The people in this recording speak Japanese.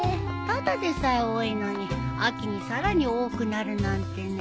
ただでさえ多いのに秋にさらに多くなるなんてね。